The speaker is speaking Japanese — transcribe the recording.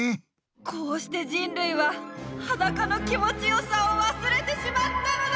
こうして人類ははだかの気持ち良さをわすれてしまったのだ！